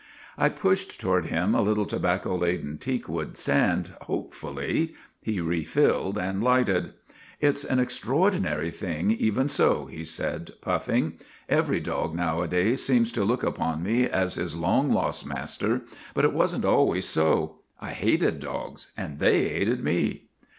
I pushed toward him a little tobacco laden teak wood stand hopefully. He refilled and lighted. ' It 's an extraordinary thing, even so," he said, puffing. ' Every dog nowadays seems to look upon me as his long lost master, but it was n't always so. I hated dogs and they hated me."